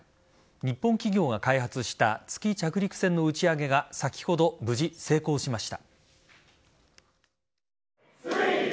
日本企業が開発した月着陸船の打ち上げが先ほど、無事成功しました。